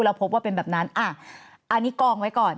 แล้วพบว่าเป็นแบบนั้นอ่ะอันนี้กองไว้ก่อน